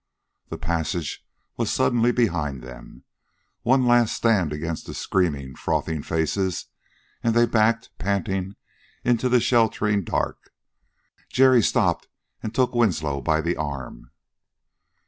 The passage was suddenly behind them. One last stand against the screaming, frothing faces, and they backed, panting, into the sheltering dark. Jerry stopped and took Winslow by the arm.